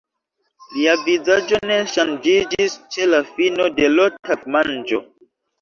Lia vizaĝo ne ŝanĝiĝis ĉe la fino de l' tagmanĝo.